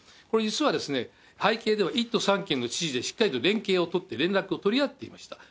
これ、実は背景では１都３県の知事でしっかりと連携を取って、連絡を取り合っていました。